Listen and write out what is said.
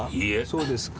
そうですか。